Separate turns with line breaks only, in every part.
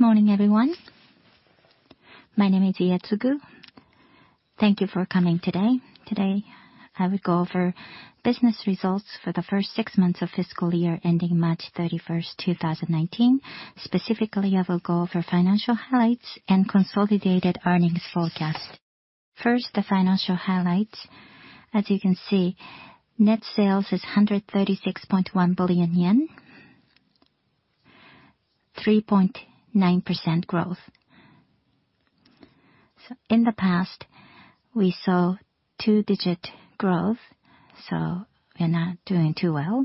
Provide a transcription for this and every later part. Good morning, everyone. My name is Ietsugu. Thank you for coming today. Today, I will go over business results for the first six months of fiscal year ending March 31, 2019. Specifically, I will go over financial highlights and consolidated earnings forecast. First, the financial highlights. As you can see, net sales is 136.1 billion yen, 3.9% growth. In the past, we saw two-digit growth, so we are not doing too well.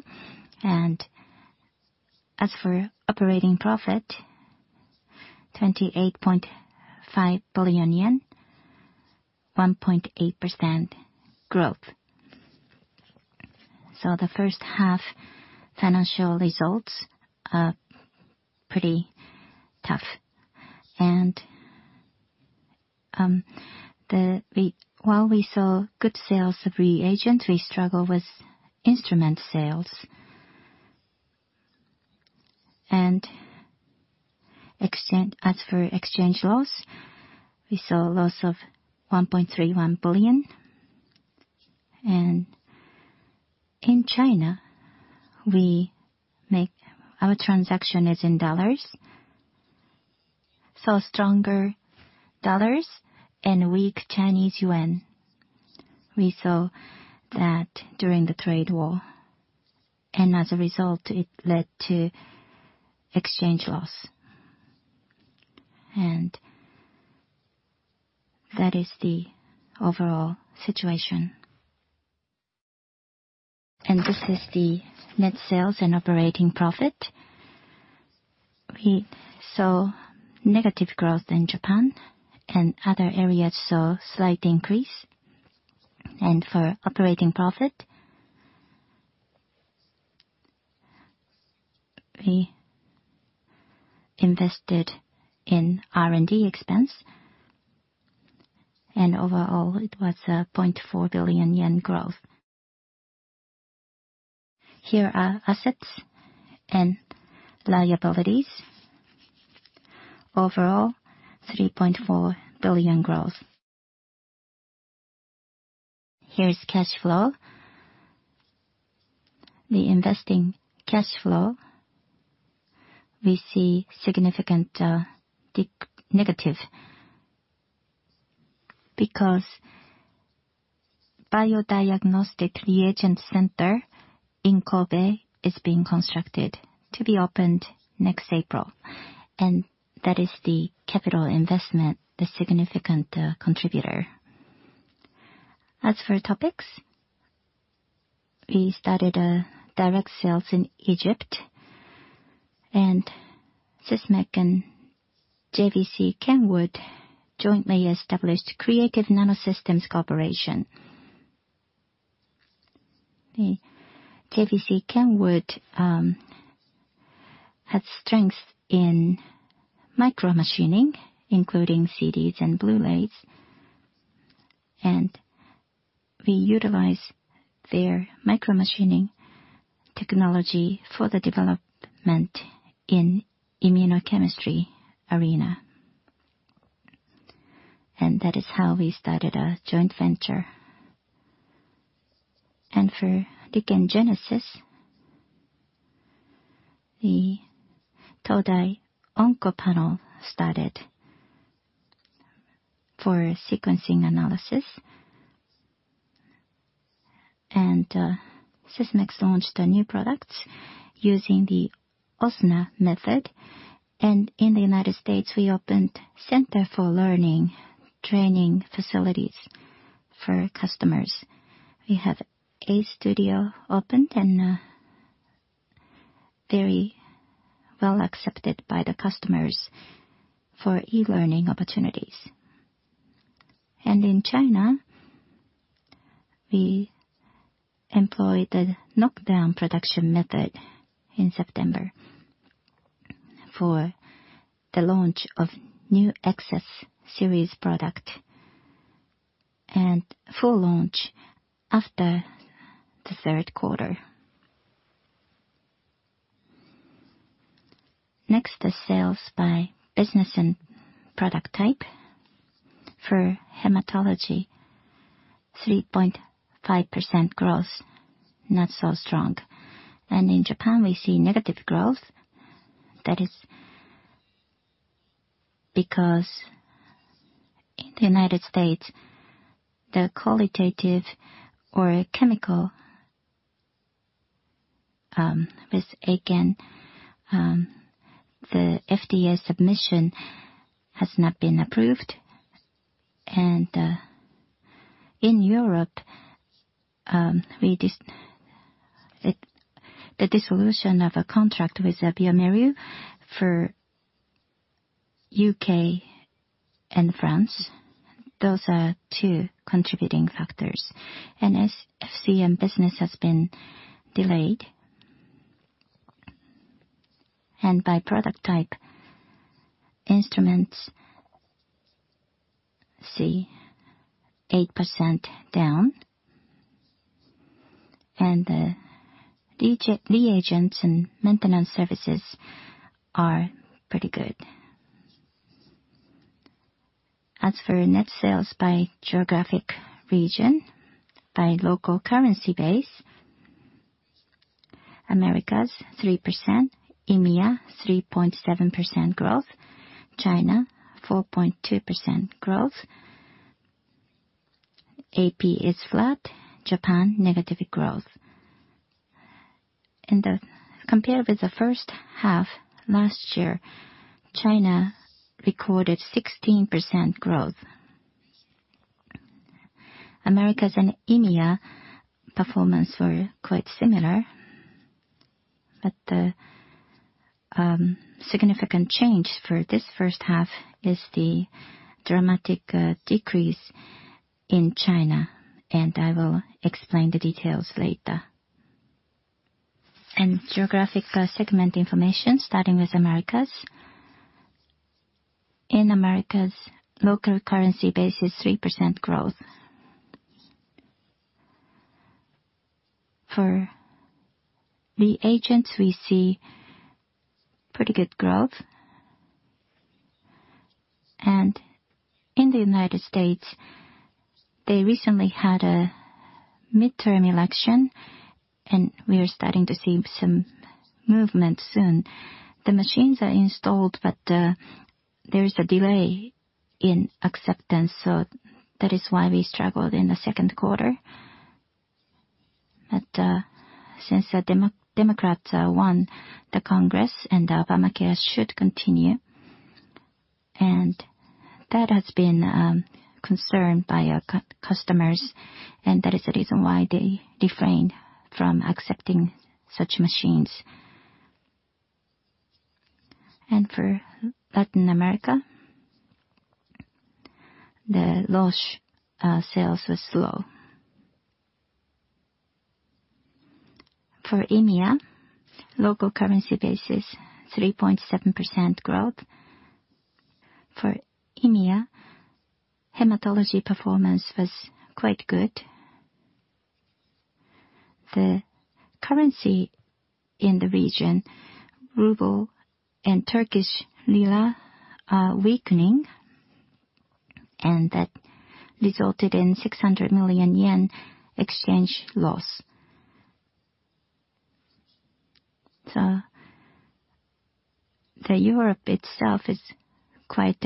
As for operating profit, JPY 28.5 billion, 1.8% growth. The first half financial results are pretty tough. While we saw good sales of reagents, we struggle with instrument sales. As for exchange loss, we saw a loss of 1.31 billion. In China, our transaction is in USD. Stronger USD and weak CNY. We saw that during the trade war. As a result, it led to exchange loss. That is the overall situation. This is the net sales and operating profit. We saw negative growth in Japan and other areas saw slight increase. For operating profit, we invested in R&D expense, and overall it was a 0.4 billion yen growth. Here are assets and liabilities. Overall, JPY 3.4 billion growth. Here is cash flow. The investing cash flow, we see significant negative because Bio-Diagnostic Reagent Center in Kobe is being constructed to be opened next April. That is the capital investment, the significant contributor. As for topics, we started direct sales in Egypt. Sysmex and JVCKENWOOD jointly established Creative Nanosystems Corporation. JVCKENWOOD have strength in micromachining, including CDs and Blu-rays, and we utilize their micromachining technology for the development in immunochemistry arena. That is how we started a joint venture. For RIKEN GENESIS, the Todai OncoPanel started for sequencing analysis. Sysmex launched a new product using the OSNA method. In the U.S., we opened Center for Learning training facilities for customers. We have a studio opened and very well accepted by the customers for e-learning opportunities. In China, we employed the knock-down production method in September for the launch of new XN-Series product, and full launch after the third quarter. Next, the sales by business and product type. For hematology, 3.5% growth, not so strong. In Japan, we see negative growth. That is because in the U.S., the qualitative or chemical, with Eiken, the FDA submission has not been approved. In Europe, the dissolution of a contract with bioMérieux for U.K. and France. Those are two contributing factors. FCM business has been delayed. By product type, instruments, see 8% down. The reagents and maintenance services are pretty good. As for net sales by geographic region, by local currency base, Americas 3%, EMEA 3.7% growth, China 4.2% growth, AP is flat, Japan negative growth. Compared with the first half last year, China recorded 16% growth. Americas and EMEA performance were quite similar. The significant change for this first half is the dramatic decrease in China, and I will explain the details later. Geographic segment information starting with Americas. In Americas, local currency base is 3% growth. For the agents, we see pretty good growth. In the U.S., they recently had a midterm election, and we are starting to see some movement soon. The machines are installed, but there is a delay in acceptance. That is why we struggled in the second quarter. Since the Democrats won the Congress, Obamacare should continue. That has been concerned by our customers, and that is the reason why they refrained from accepting such machines. For Latin America, the loss sales are slow. For EMEA, local currency base is 3.7% growth. For EMEA, hematology performance was quite good. The currency in the region, ruble and Turkish lira are weakening. That resulted in 600 million yen exchange loss. The Europe itself is quite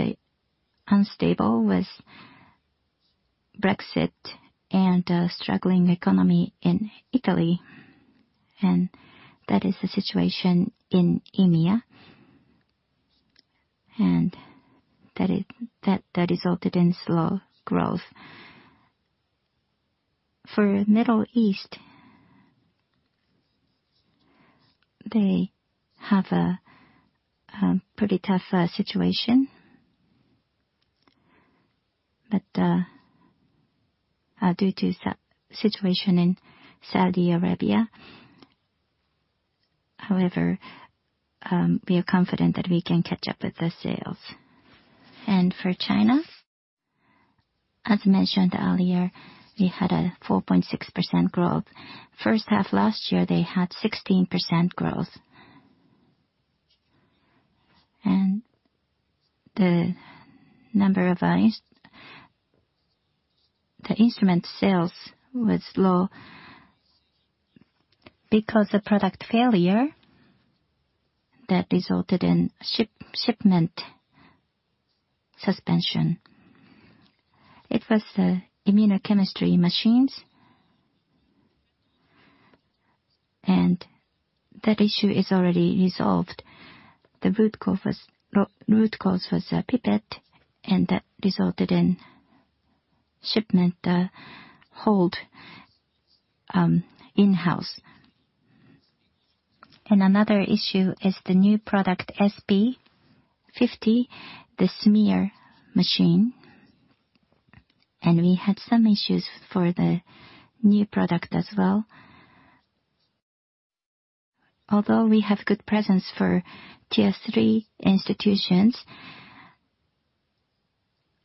unstable with Brexit and a struggling economy in Italy. That is the situation in EMEA. That resulted in slow growth. For Middle East, they have a pretty tough situation due to the situation in Saudi Arabia. However, we are confident that we can catch up with the sales. For China, as mentioned earlier, we had a 4.6% growth. First half last year, they had 16% growth. The instrument sales was low because of product failure that resulted in shipment suspension. It was the immunochemistry machines. That issue is already resolved. The root cause was a pipette. That resulted in shipment hold in-house. Another issue is the new product, SP-50, the smear machine. We had some issues for the new product as well. Although we have good presence for tier 3 institutions,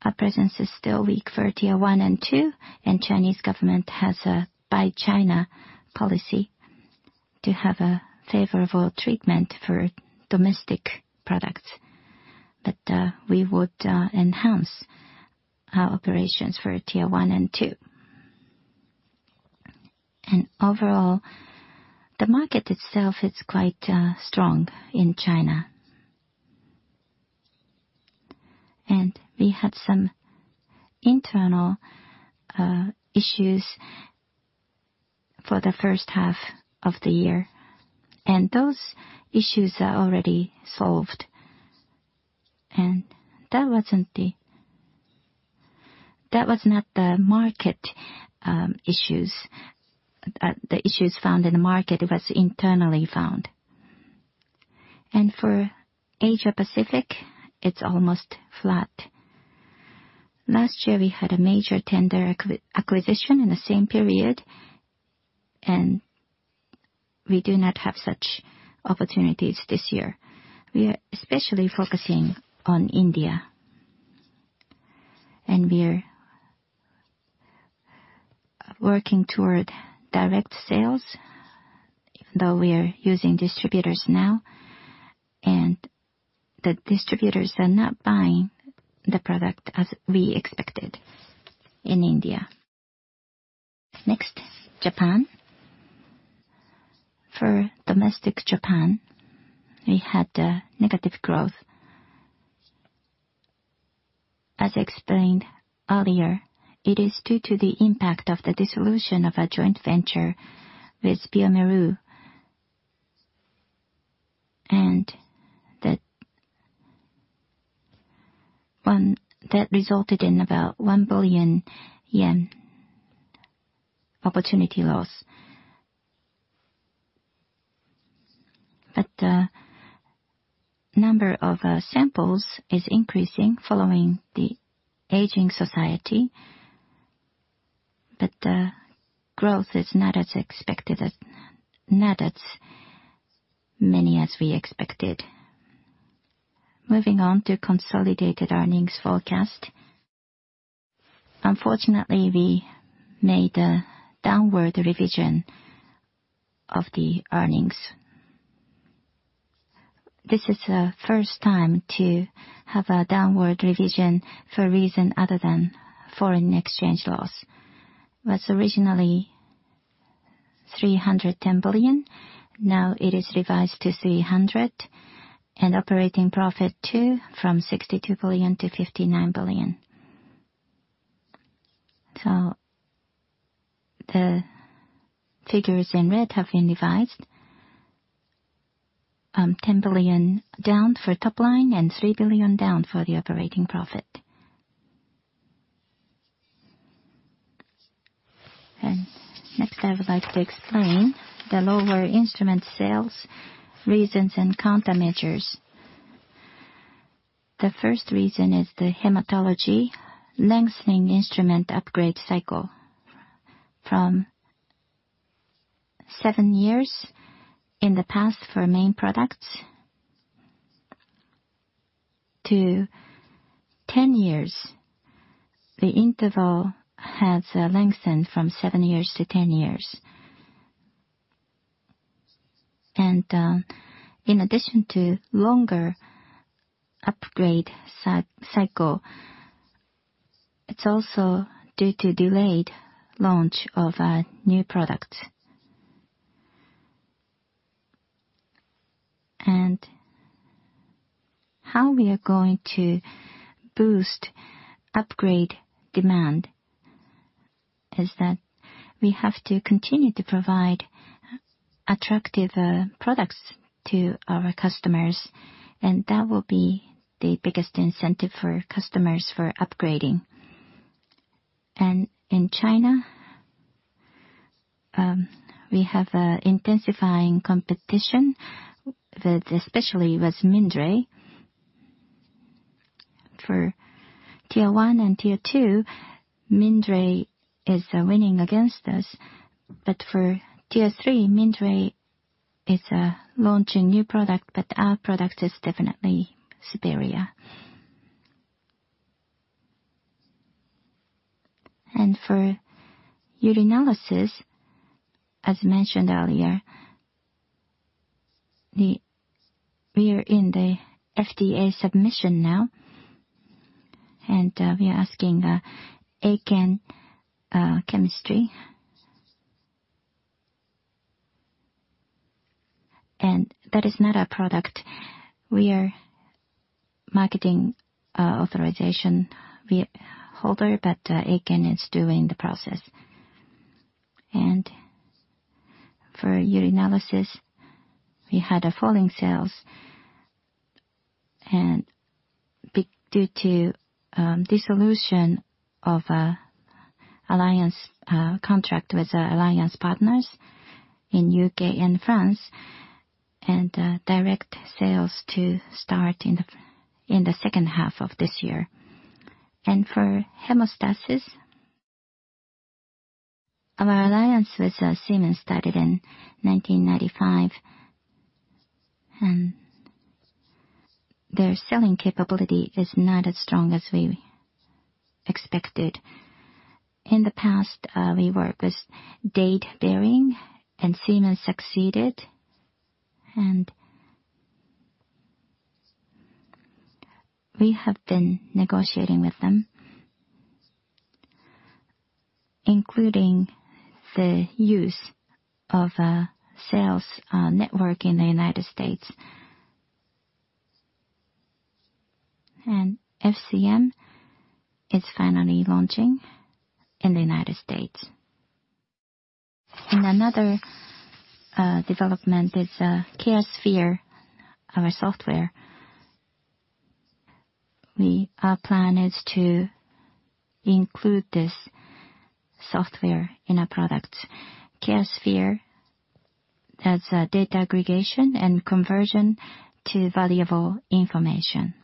our presence is still weak for tier 1 and 2. Chinese government has a Buy China policy to have a favorable treatment for domestic products. We would enhance our operations for tier 1 and 2. Overall, the market itself is quite strong in China. We had some internal issues for the first half of the year. Those issues are already solved. That was not the market issues. The issues found in the market was internally found. For Asia Pacific, it's almost flat. Last year, we had a major tender acquisition in the same period. We do not have such opportunities this year. We are especially focusing on India. We're working toward direct sales, even though we are using distributors now. The distributors are not buying the product as we expected in India. Next, Japan. For domestic Japan, we had negative growth. As explained earlier, it is due to the impact of the dissolution of a joint venture with bioMérieux. That resulted in about 1 billion yen opportunity loss. The number of samples is increasing following the aging society, but the growth is not as many as we expected. Moving on to consolidated earnings forecast. Unfortunately, we made a downward revision of the earnings. This is the first time to have a downward revision for a reason other than foreign exchange loss. It was originally 310 billion, now it is revised to 300 billion. Operating profit too, from 62 billion to 59 billion. The figures in red have been revised, 10 billion down for top line and 3 billion down for the operating profit. Next, I would like to explain the lower instrument sales reasons and countermeasures. The first reason is the hematology lengthening instrument upgrade cycle from 7 years in the past for main products to 10 years. The interval has lengthened from 7 years to 10 years. In addition to longer upgrade cycle, it's also due to delayed launch of new products. How we are going to boost upgrade demand is that we have to continue to provide attractive products to our customers, that will be the biggest incentive for customers for upgrading. In China, we have intensifying competition, especially with Mindray. For tier 1 and tier 2, Mindray is winning against us. For tier 3, Mindray is launching new product, our product is definitely superior. For urinalysis, as mentioned earlier, we are in the FDA submission now, we are asking Eiken Chemistry. That is not our product. We are marketing authorization holder, but Eiken is doing the process. For urinalysis, we had falling sales due to dissolution of alliance contract with alliance partners in U.K. and France, direct sales to start in the second half of this year. For hemostasis, our alliance with Siemens started in 1995, their selling capability is not as strong as we expected. In the past, we worked with Dade Behring and Siemens succeeded, we have been negotiating with them, including the use of a sales network in the United States. FCM is finally launching in the United States. Another development is Caresphere, our software. Our plan is to include this software in our products. Caresphere has data aggregation and conversion to valuable information,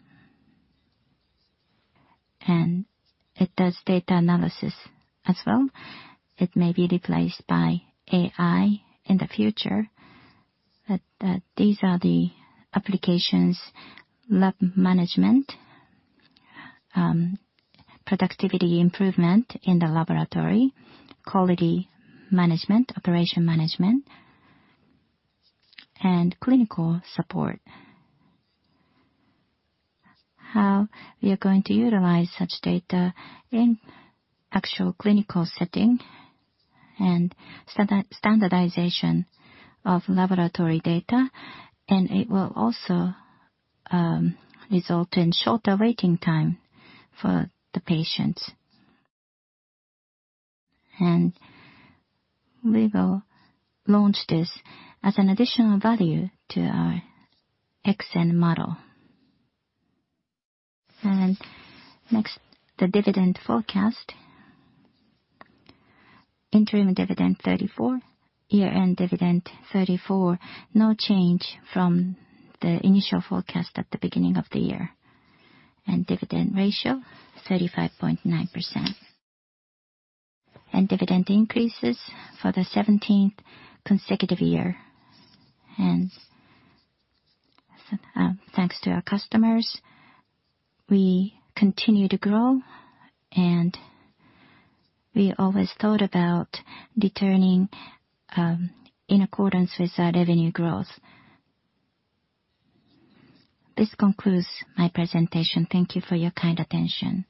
it does data analysis as well. It may be replaced by AI in the future. These are the applications, lab management, productivity improvement in the laboratory, quality management, operation management, and clinical support. How we are going to utilize such data in actual clinical setting and standardization of laboratory data. It will also result in shorter waiting time for the patients. We will launch this as an additional value to our XN model. Next, the dividend forecast. Interim dividend 34, year-end dividend 34. No change from the initial forecast at the beginning of the year. Dividend ratio, 35.9%. Dividend increases for the 17th consecutive year. Thanks to our customers, we continue to grow, we always thought about returning, in accordance with our revenue growth. This concludes my presentation. Thank you for your kind attention.